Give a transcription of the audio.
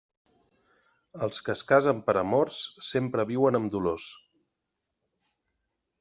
Els que es casen per amors, sempre viuen amb dolors.